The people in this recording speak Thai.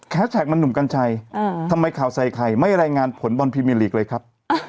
แคสแท็กมันหนุ่มกันชัยทำไมข่าวใส่ใครไม่ได้รายงานผลบอนพิมีหลีกเลยครับ